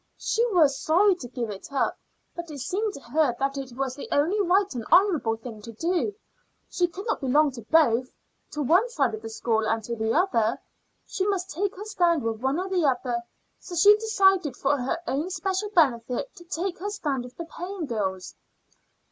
She was sorry to give it up, but it seemed to her that it was the only right and honorable thing to do. She could not belong to both to one side of the school and to the other; she must take her stand with one or the other; so she decided for her own special benefit to take her stand with the paying girls."